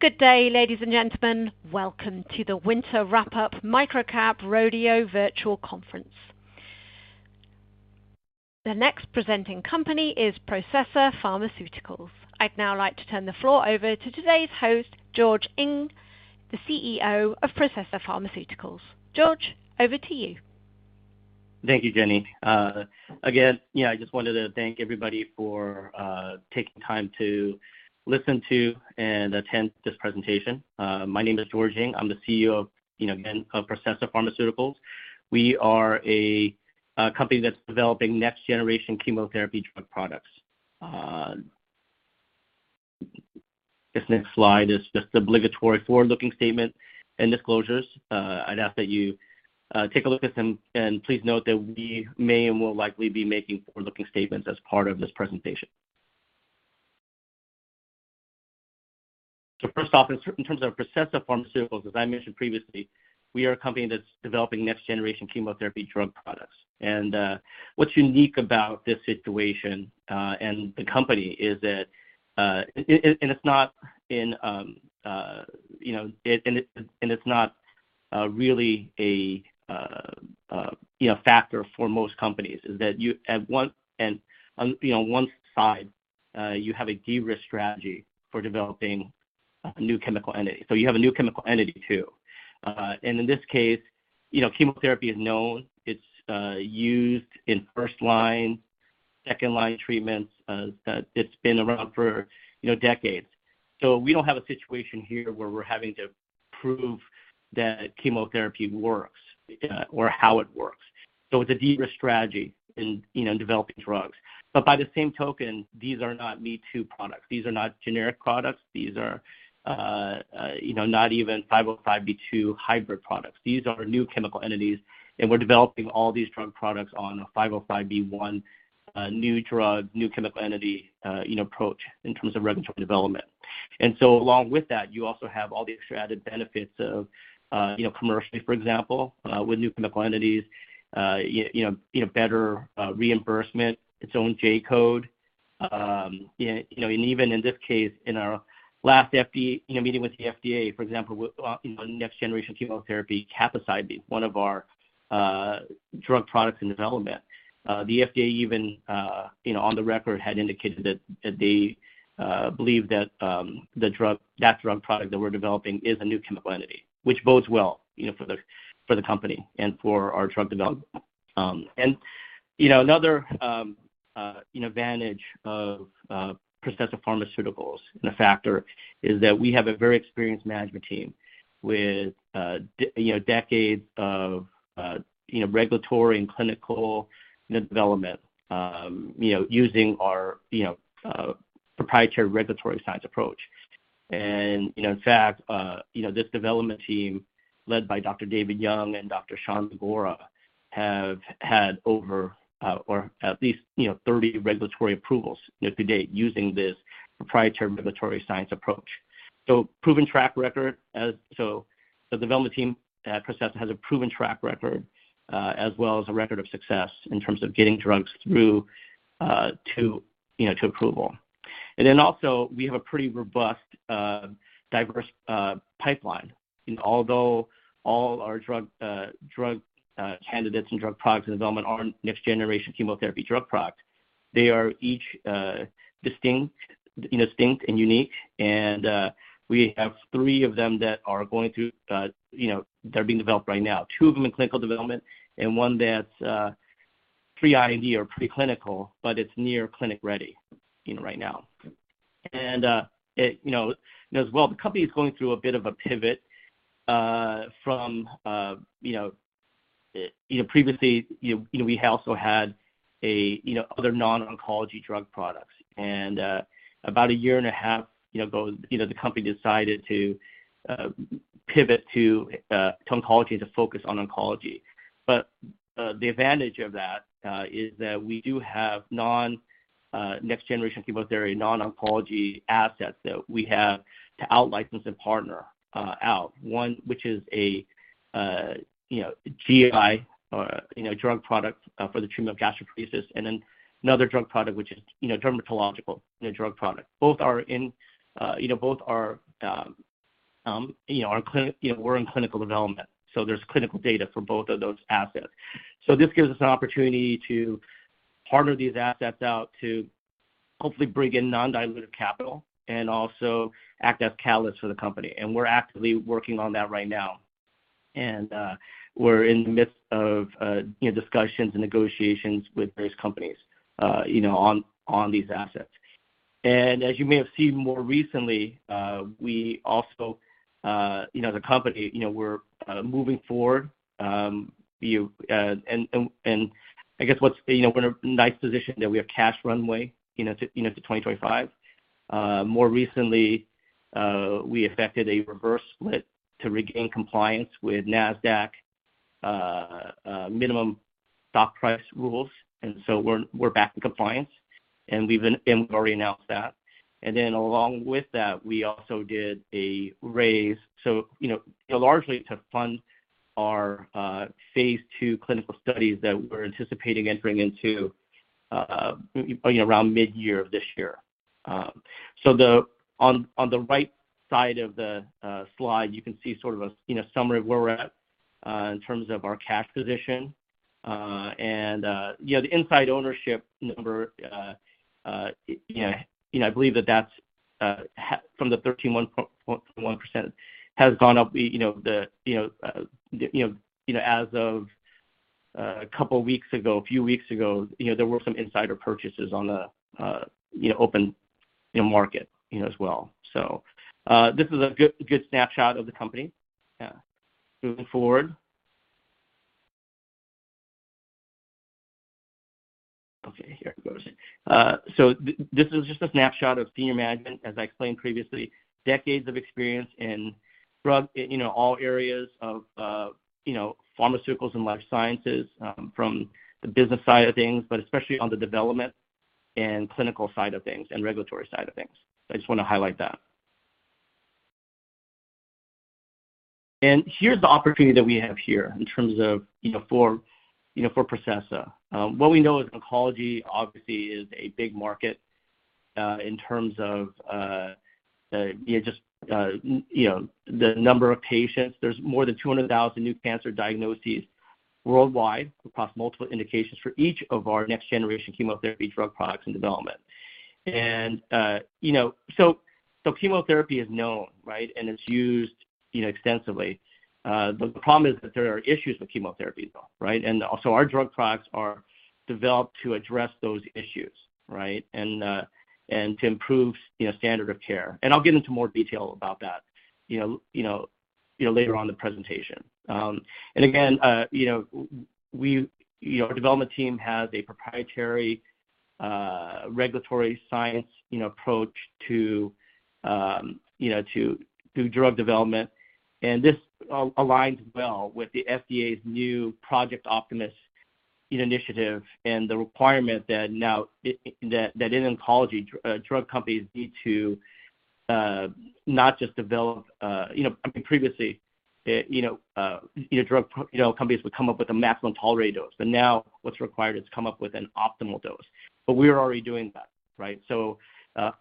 Good day, ladies and gentlemen. Welcome to the Winter Wrap-Up MicroCap Rodeo Virtual Conference. The next presenting company is Processa Pharmaceuticals. I'd now like to turn the floor over to today's host, George Ng, the CEO of Processa Pharmaceuticals. George, over to you. Thank you, Jenny. Again, yeah, I just wanted to thank everybody for taking time to listen to and attend this presentation. My name is George Ng. I'm the CEO of, you know, again, of Processa Pharmaceuticals. We are a company that's developing next-generation chemotherapy drug products. This next slide is just the obligatory forward-looking statement and disclosures. I'd ask that you take a look at them, and please note that we may and will likely be making forward-looking statements as part of this presentation. So first off, in terms of Processa Pharmaceuticals, as I mentioned previously, we are a company that's developing next-generation chemotherapy drug products. And what's unique about this situation and the company is that... And it's not, you know, really a factor for most companies, that is, you know, on one side you have a de-risk strategy for developing a new chemical entity. So you have a new chemical entity too. And in this case, you know, chemotherapy is known. It's used in first-line, second-line treatments. It's been around for, you know, decades. So we don't have a situation here where we're having to prove that chemotherapy works or how it works. So it's a de-risk strategy in, you know, developing drugs. But by the same token, these are not me-too products. These are not generic products. These are, you know, not even 505(b)(2) hybrid products. These are new chemical entities, and we're developing all these drug products on a 505(b)(1), new drug, new chemical entity, you know, approach in terms of regulatory development. And so along with that, you also have all the extra added benefits of, you know, commercially, for example, with new chemical entities, you know, better, reimbursement, its own J-code. Yeah, you know, and even in this case, in our last FDA meeting with the FDA, for example, with you know, next-generation chemotherapy capecitabine, one of our drug products in development, the FDA even you know, on the record, had indicated that that they believe that the drug product that we're developing is a new chemical entity, which bodes well, you know, for the company and for our drug development. And you know, another advantage of Processa Pharmaceuticals, and a factor, is that we have a very experienced management team with decades of you know, regulatory and clinical development you know, using our proprietary regulatory science approach. And you know, in fact, you know, this development team, led by Dr. David Young and Dr. Sian Bigora have had over or at least, you know, 30 regulatory approvals to date using this proprietary regulatory science approach. So proven track record. As so, the development team at Processa has a proven track record as well as a record of success in terms of getting drugs through to, you know, to approval. And then also, we have a pretty robust diverse pipeline. And although all our drug candidates and drug products in development are next-generation chemotherapy drug products, they are each distinct, you know, distinct and unique. And we have three of them that are going through, you know, they're being developed right now. Two of them in clinical development and one that's pre-IND or preclinical, but it's near clinic-ready, you know, right now. You know, as well, the company is going through a bit of a pivot from, you know. Previously, you know, we also had a you know other non-oncology drug products. About a year and a half, you know, ago, you know, the company decided to pivot to to oncology and to focus on oncology. But the advantage of that is that we do have non-next-generation chemotherapy non-oncology assets that we have to out-license and partner out. One, which is a you know GI you know drug product for the treatment of gastroparesis, and then another drug product, which is you know dermatological you know drug product. Both are in, you know, both are, you know, on clinic-- you know, we're in clinical development, so there's clinical data for both of those assets. So this gives us an opportunity to partner these assets out to hopefully bring in non-dilutive capital and also act as catalysts for the company, and we're actively working on that right now. And, we're in the midst of, you know, discussions and negotiations with various companies, you know, on, on these assets. And as you may have seen more recently, we also, you know, the company, you know, we're, moving forward, you, and, and, and I guess what's... You know, we're in a nice position that we have cash runway, you know, to, you know, to 2025. More recently, we effected a reverse split to regain compliance with Nasdaq minimum stock price rules, and so we're back in compliance, and we've already announced that. And then along with that, we also did a raise, so, you know, largely to fund our Phase 2 clinical studies that we're anticipating entering into, you know, around mid-year of this year. So the, on the right side of the slide, you can see sort of a, you know, summary of where we're at, in terms of our cash position. And, you know, the insider ownership number, you know, I believe that that's from the 13.1% has gone up, you know, the, you know, you know, as of a couple weeks ago, a few weeks ago, you know, there were some insider purchases on the, you know, open, you know, market, you know, as well. So, this is a good, good snapshot of the company. Yeah. Moving forward. Okay, here it goes. So this is just a snapshot of senior management. As I explained previously, decades of experience in drug, you know, all areas of, you know, pharmaceuticals and life sciences, from the business side of things, but especially on the development and clinical side of things and regulatory side of things. I just wanna highlight that. Here's the opportunity that we have here in terms of, you know, for Processa. What we know is oncology, obviously, is a big market, in terms of, you know, just, you know, the number of patients. There's more than 200,000 new cancer diagnoses worldwide across multiple indications for each of our next generation chemotherapy drug products in development. And, you know, so chemotherapy is known, right? And it's used, you know, extensively. But the problem is that there are issues with chemotherapy, though, right? And also, our drug products are developed to address those issues, right? And to improve, you know, standard of care. And I'll get into more detail about that, you know, you know, you know, later on in the presentation. And again, you know, we, you know, our development team has a proprietary, regulatory science, you know, approach to, you know, to do drug development. And this aligns well with the FDA's new Project Optimist initiative and the requirement that now, that in oncology, drug companies need to, not just develop. You know, I mean, previously, you know, you know, drug, you know, companies would come up with a maximum tolerated dose, but now what's required is come up with an optimal dose. But we're already doing that, right? So,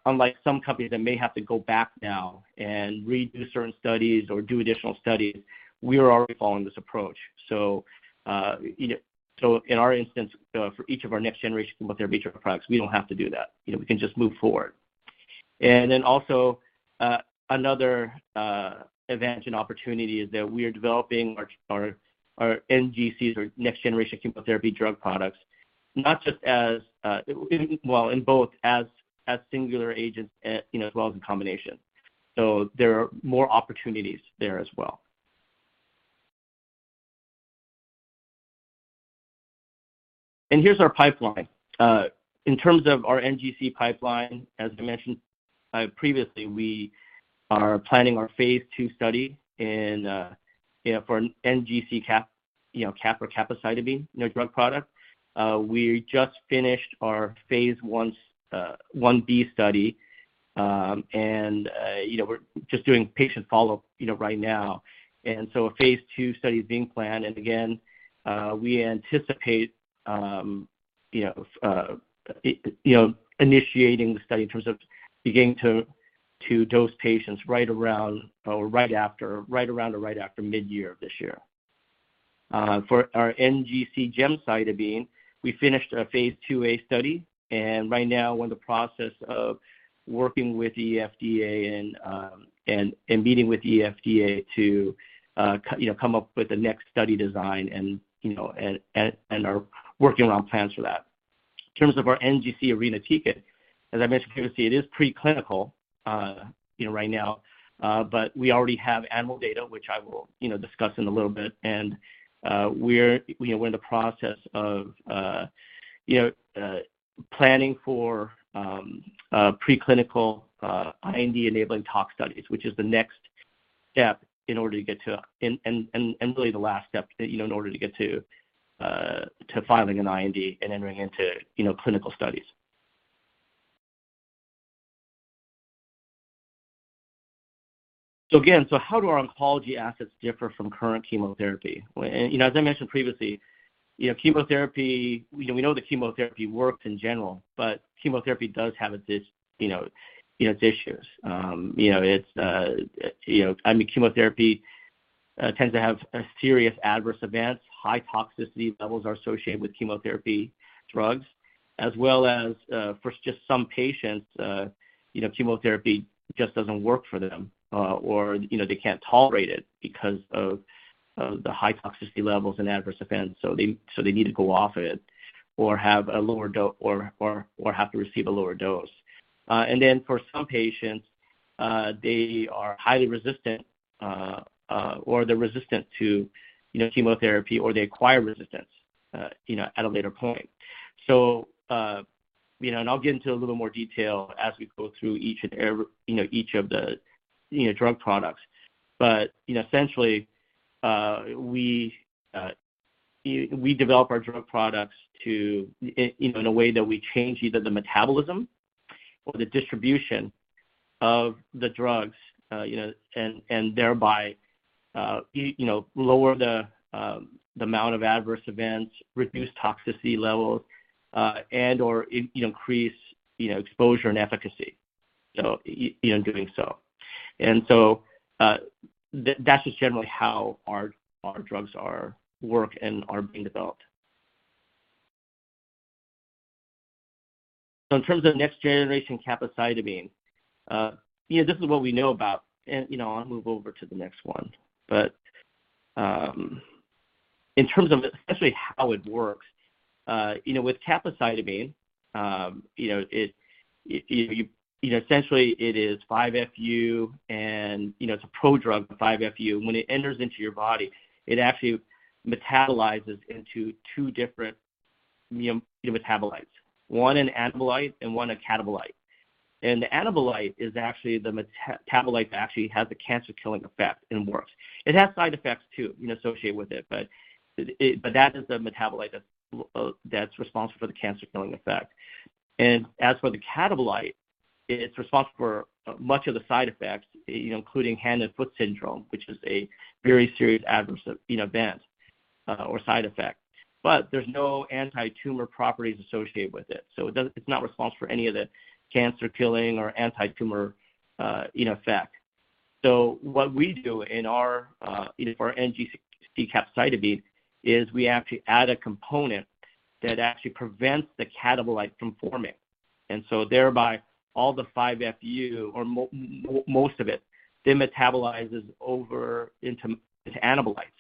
unlike some companies that may have to go back now and redo certain studies or do additional studies, we are already following this approach. So, you know, so in our instance, for each of our next generation chemotherapy drug products, we don't have to do that. You know, we can just move forward. And then also, another advantage and opportunity is that we are developing our NGCs or next generation chemotherapy drug products, not just as, well, in both as singular agents, you know, as well as in combination. So there are more opportunities there as well. And here's our pipeline. In terms of our NGC pipeline, as I mentioned, previously, we are planning our Phase 2 study in, you know, for NGC-Cap, you know, Cap or capecitabine, you know, drug product. We just finished our Phase 1/1b study. And, you know, we're just doing patient follow-up, you know, right now. So a Phase 2 study is being planned. And again, we anticipate, you know, initiating the study in terms of beginning to dose patients right around or right after mid-year of this year. For our NGC-Gem, we finished a Phase 2a study, and right now we're in the process of working with the FDA and meeting with the FDA to come up with the next study design and are working around plans for that. In terms of our NGC-Irinotecan, as I mentioned previously, it is preclinical, you know, right now, but we already have animal data, which I will, you know, discuss in a little bit. We're, you know, we're in the process of, you know, planning for preclinical IND-enabling tox studies, which is the next step in order to get to... And really the last step, you know, in order to get to filing an IND and entering into, you know, clinical studies. So again, how do our oncology assets differ from current chemotherapy? Well, you know, as I mentioned previously, you know, chemotherapy, you know, we know that chemotherapy works in general, but chemotherapy does have its dis, you know, its issues. You know, it's, you know, I mean, chemotherapy tends to have a serious adverse events. High toxicity levels are associated with chemotherapy drugs, as well as, for just some patients, you know, chemotherapy just doesn't work for them, or, you know, they can't tolerate it because of, of the high toxicity levels and adverse events. So they need to go off it or have a lower dose or, or have to receive a lower dose. And then for some patients, they are highly resistant, or they're resistant to, you know, chemotherapy, or they acquire resistance, you know, at a later point. So, you know, and I'll get into a little more detail as we go through each and every, you know, each of the, you know, drug products. But, you know, essentially, we develop our drug products to, in, you know, in a way that we change either the metabolism-... or the distribution of the drugs, you know, and thereby, you know, lower the amount of adverse events, reduce toxicity levels, and/or increase, you know, exposure and efficacy, so in doing so. And so, that's just generally how our drugs are work and are being developed. So in terms of Next Generation Capecitabine, yeah, this is what we know about. And, you know, I'll move over to the next one. But in terms of especially how it works, you know, with Capecitabine, you know, it essentially is 5-FU, and, you know, it's a prodrug of 5-FU. When it enters into your body, it actually metabolizes into two different, you know, metabolites, one anabolite and one catabolite. The anabolite is actually the metabolite that actually has the cancer-killing effect and works. It has side effects, too, you know, associated with it, but it... But that is the metabolite that's responsible for the cancer-killing effect. And as for the catabolite, it's responsible for much of the side effects, you know, including hand-foot syndrome, which is a very serious adverse, you know, event or side effect. But there's no antitumor properties associated with it, so it's not responsible for any of the cancer-killing or antitumor effect. So what we do in our NGC Capecitabine is we actually add a component that actually prevents the catabolite from forming. And so thereby, all the 5-FU, or most of it, then metabolizes over into anabolites.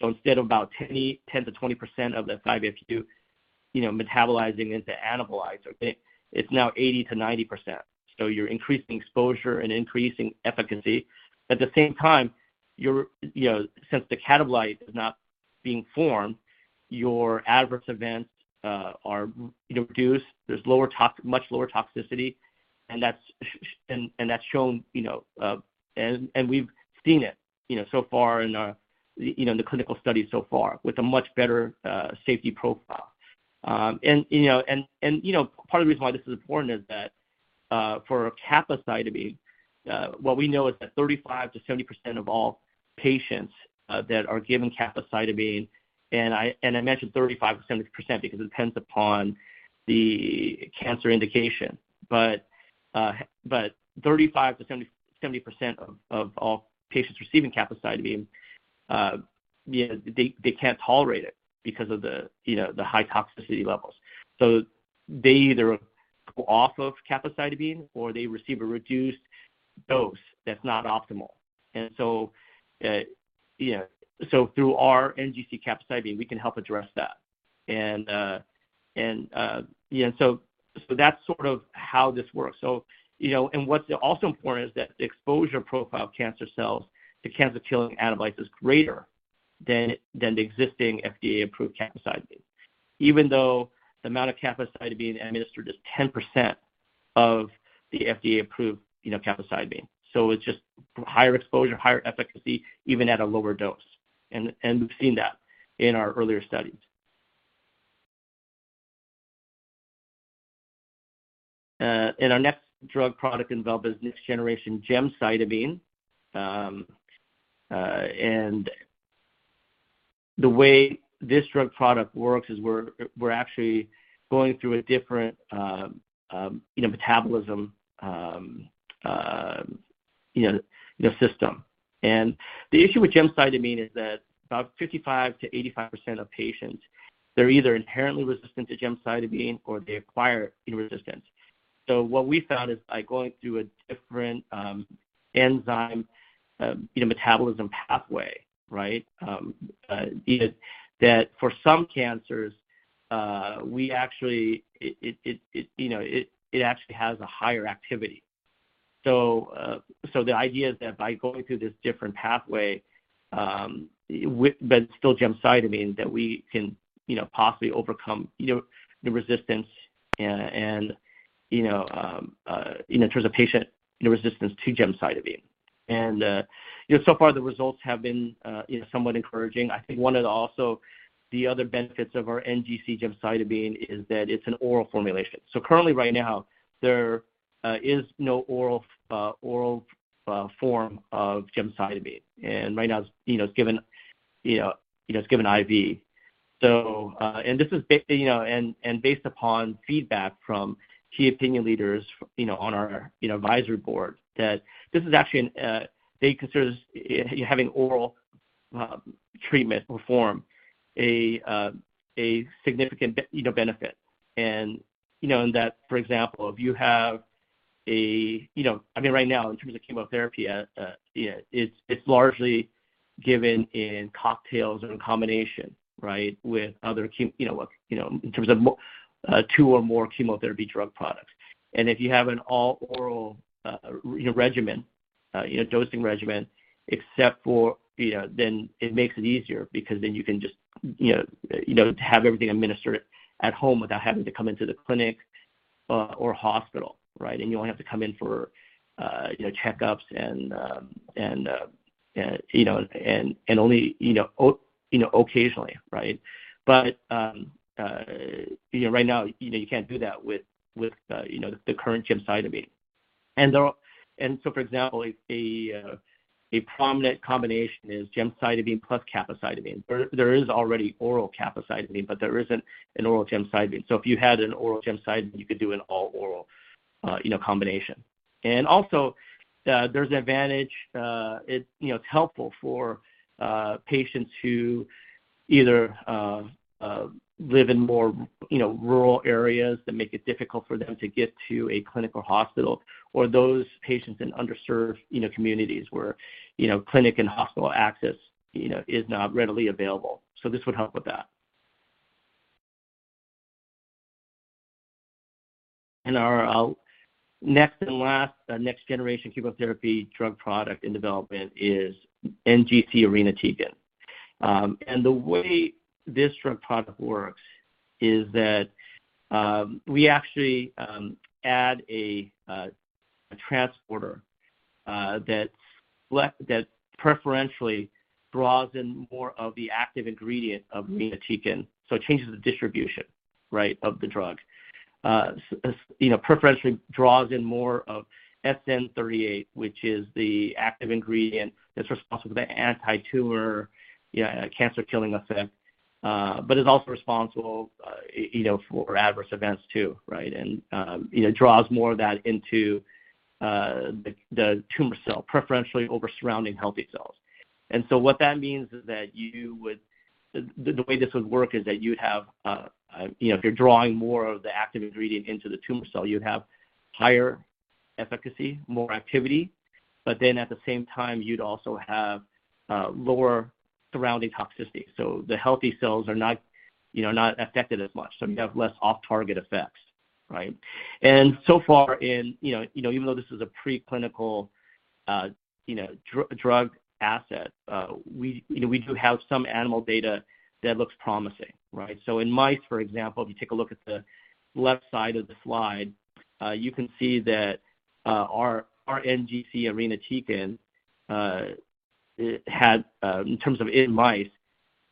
So instead of about 10, 10%-20% of the 5-FU, you know, metabolizing into anabolites, okay, it's now 80%-90%. So you're increasing exposure and increasing efficacy. At the same time, you're, you know, since the catabolite is not being formed, your adverse events are, you know, reduced. There's much lower toxicity, and that's shown, you know, and we've seen it, you know, so far in our, you know, the clinical studies so far, with a much better safety profile. And, you know, part of the reason why this is important is that, for Capecitabine, what we know is that 35%-70% of all patients that are given Capecitabine, and I, and I mentioned 35%-70% because it depends upon the cancer indication. 35%-70% of all patients receiving capecitabine, you know, they can't tolerate it because of the, you know, the high toxicity levels. So they either go off of capecitabine, or they receive a reduced dose that's not optimal. And so, you know, so through our NGC-Cap, we can help address that. And, yeah, so that's sort of how this works. So, you know, and what's also important is that the exposure profile of cancer cells to cancer-killing anabolites is greater than the existing FDA-approved capecitabine, even though the amount of capecitabine administered is 10% of the FDA-approved, you know, capecitabine. So it's just higher exposure, higher efficacy, even at a lower dose, and we've seen that in our earlier studies. And our next drug product involved is Next Generation Gemcitabine. And the way this drug product works is we're actually going through a different, you know, metabolism, you know, system. And the issue with gemcitabine is that about 55%-85% of patients, they're either inherently resistant to gemcitabine, or they acquire resistance. So what we found is, by going through a different, enzyme, you know, metabolism pathway, right? is that for some cancers, we actually, you know, it actually has a higher activity. So, so the idea is that by going through this different pathway, with... but still gemcitabine, that we can, you know, possibly overcome, you know, the resistance, and, you know, in terms of patient resistance to gemcitabine. And, you know, so far, the results have been, you know, somewhat encouraging. I think one of the other benefits of our NGC-Gemcitabine is that it's an oral formulation. So currently, right now, there is no oral form of gemcitabine, and right now, you know, it's given, you know, it's given IV. So this is based upon feedback from key opinion leaders, you know, on our, you know, advisory board, that this is actually they consider this having oral treatment or form a significant benefit. And, you know, in that, for example, if you have a. You know, I mean, right now, in terms of chemotherapy, it's largely given in cocktails or in combination, right, with other you know, you know, in terms of two or more chemotherapy drug products. If you have an all-oral, you know, regimen, you know, dosing regimen, except for, you know, then it makes it easier because then you can just, you know, you know, have everything administered at home without having to come into the clinic, or hospital, right? And you only have to come in for, you know, checkups and, yeah, you know, and only, you know, occasionally, right? But, you know, right now, you know, you can't do that with, you know, the current gemcitabine. And so, for example, a prominent combination is gemcitabine plus capecitabine. There is already oral capecitabine, but there isn't an oral gemcitabine. So if you had an oral gemcitabine, you could do an all-oral, you know, combination. And also, there's an advantage, you know, it's helpful for patients who either live in more, you know, rural areas that make it difficult for them to get to a clinical hospital or those patients in underserved, you know, communities where, you know, clinic and hospital access, you know, is not readily available. So this would help with that. And our next and last next-generation chemotherapy drug product in development is NGC-Irinotecan. And the way this drug product works is that we actually add a transporter LAT that preferentially draws in more of the active ingredient of irinotecan. So it changes the distribution, right, of the drug. As you know, preferentially draws in more of SN-38, which is the active ingredient that's responsible for the anti-tumor cancer-killing effect, but is also responsible, you know, for adverse events too, right? And you know, draws more of that into the tumor cell, preferentially over surrounding healthy cells. And so what that means is that you would. The way this would work is that you'd have, you know, if you're drawing more of the active ingredient into the tumor cell, you'd have higher efficacy, more activity, but then at the same time, you'd also have lower surrounding toxicity. So the healthy cells are not, you know, not affected as much, so you have less off-target effects, right? And so far in, you know, you know, even though this is a preclinical, you know, drug asset, we, you know, we do have some animal data that looks promising, right? So in mice, for example, if you take a look at the left side of the slide, you can see that, our NGC-Irinotecan, it had, in terms of in mice,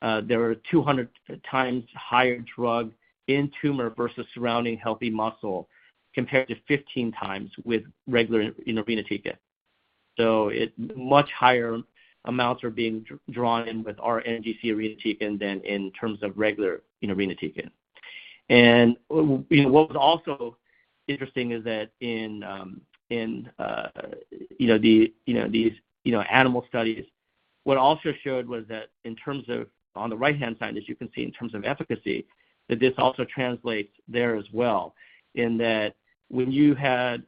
there were 200 times higher drug in tumor versus surrounding healthy muscle, compared to 15 times with regular, you know, irinotecan. So it much higher amounts are being drawn in with our NGC-Irinotecan than in terms of regular, you know, irinotecan. And, you know, what was also interesting is that in, you know, the, you know, these, you know, animal studies, what also showed was that in terms of, on the right-hand side, as you can see, in terms of efficacy, that this also translates there as well, in that when you had,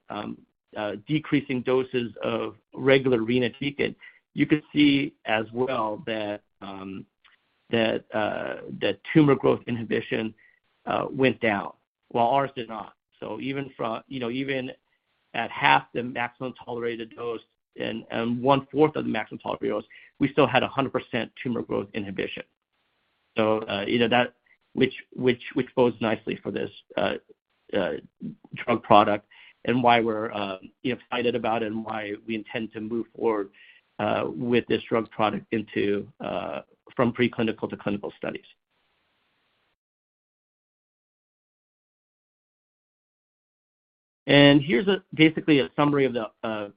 decreasing doses of regular irinotecan, you could see as well that, that tumor growth inhibition, went down, while ours did not. So even from, you know, even at half the maximum tolerated dose and, one-fourth of the maximum tolerated dose, we still had 100% tumor growth inhibition. So, you know, which bodes nicely for this drug product and why we're excited about it and why we intend to move forward with this drug product into from preclinical to clinical studies. Here's basically a summary of the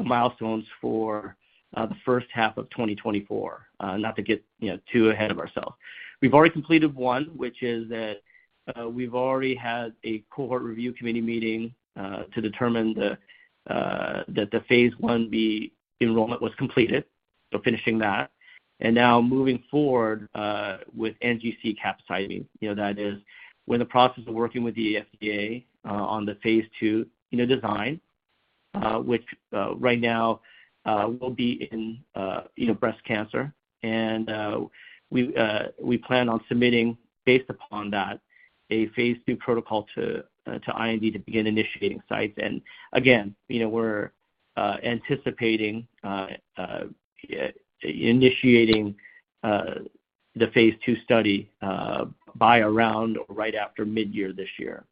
milestones for the first half of 2024, not to get, you know, too ahead of ourselves. We've already completed 1, which is that we've already had a cohort review committee meeting to determine that the Phase 1b enrollment was completed, so finishing that. Now moving forward with NGC-Capecitabine, you know, that is, we're in the process of working with the FDA on the Phase 2, you know, design, which right now will be in, you know, breast cancer. We plan on submitting, based upon that, a Phase 2 protocol to IND to begin initiating sites. And again, you know, we're anticipating initiating the Phase 2 study by around right after midyear this year.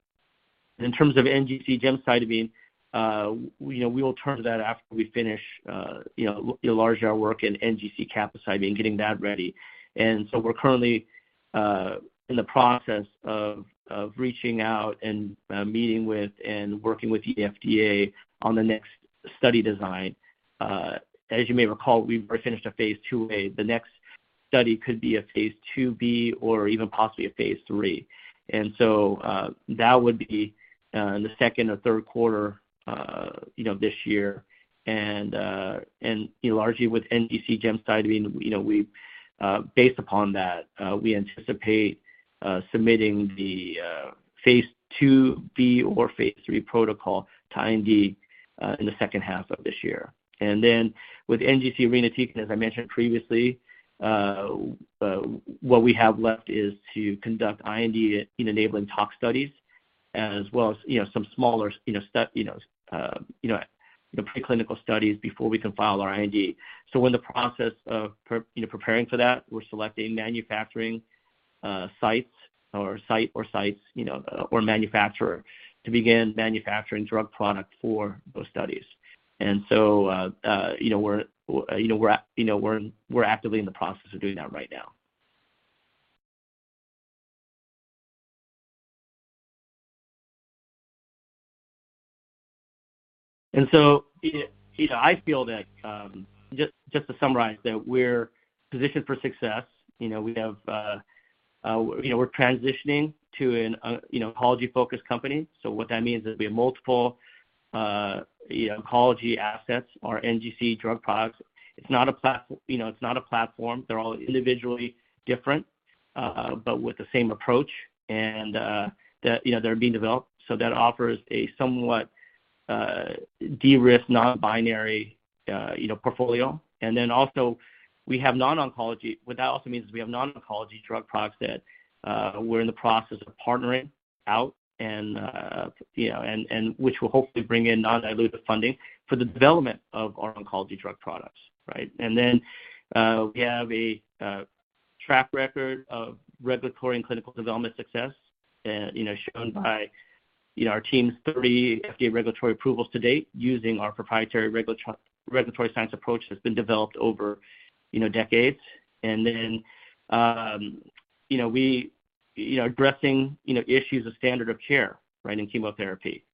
In terms of NGC gemcitabine, you know, we will turn to that after we finish, you know, largely our work in NGC capecitabine, getting that ready. And so we're currently in the process of reaching out and meeting with and working with the FDA on the next study design. As you may recall, we've already finished a Phase 2A. The next study could be a Phase 2b or even possibly a Phase 3. And so, that would be in the second or third quarter, you know, this year. Largely with NGC Gemcitabine, you know, we based upon that, we anticipate submitting the Phase 2b or Phase 3 protocol to IND in the second half of this year. And then with NGC-Irinotecan, as I mentioned previously, what we have left is to conduct IND-enabling tox studies, as well as, you know, some smaller, you know, preclinical studies before we can file our IND. So we're in the process of, you know, preparing for that. We're selecting manufacturing sites or site or sites, you know, or manufacturer to begin manufacturing drug product for those studies. And so, you know, we're actively in the process of doing that right now. And so, you know, I feel that, just, just to summarize, that we're positioned for success. You know, we have, you know, we're transitioning to an, you know, oncology-focused company. So what that means is we have multiple, you know, oncology assets or NGC drug products. It's not, you know, it's not a platform. They're all individually different, but with the same approach, and that, you know, they're being developed. So that offers a somewhat, de-risk, non-binary, you know, portfolio. And then also, we have non-oncology. What that also means is we have non-oncology drug products that, we're in the process of partnering out and, you know, and, and which will hopefully bring in non-dilutive funding for the development of our oncology drug products, right? And then, we have a track record of regulatory and clinical development success, you know, shown by, you know, our team's 30 FDA regulatory approvals to date using our proprietary regulatory science approach that's been developed over, you know, decades. And then, you know, we, you know, addressing, you know, issues of standard of care, right, in chemotherapy.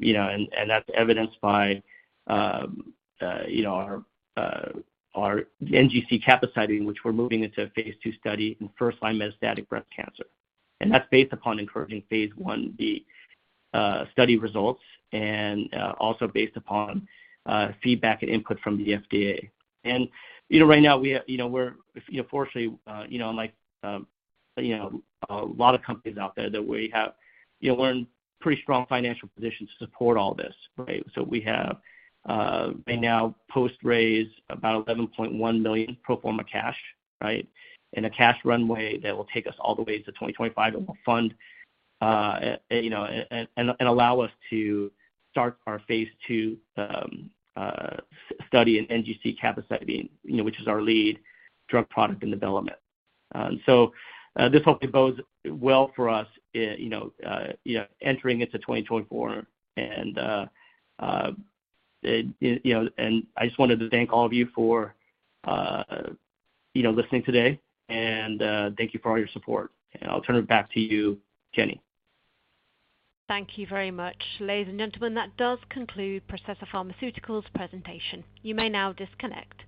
You know, and that's evidenced by, you know, our NGC capecitabine, which we're moving into a Phase 2 study in first-line metastatic breast cancer. And that's based upon encouraging Phase 1b study results, and also based upon feedback and input from the FDA. You know, right now, we have, you know, we're, you know, fortunately, you know, unlike, you know, a lot of companies out there, that we have, you know, we're in pretty strong financial position to support all this, right? So we have, we now post-raise about $11.1 million pro forma cash, right? And a cash runway that will take us all the way to 2025, and will fund, you know, and allow us to start our Phase 2 study in NGC-Capecitabine, you know, which is our lead drug product in development. So, this hopefully bodes well for us, you know, you know, entering into 2024. And, you know, and I just wanted to thank all of you for, you know, listening today, and thank you for all your support. And I'll turn it back to you, Jenny. Thank you very much. Ladies and gentlemen, that does conclude Processa Pharmaceuticals' presentation. You may now disconnect.